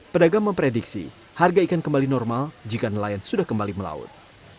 pedagang memprediksi harga ikan kembali normal jika nelayan sudah kembali melaut